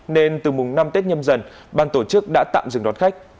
nên từ mùng năm tết nhâm dần ban tổ chức đã tạm dừng đón khách